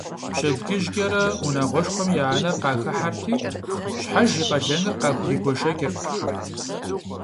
Пщэдджыжькӏэрэ унагъуэшхуэм я анэр къахыхьэрти, щхьэж и къалэныр къахуригуэшэкӏырт.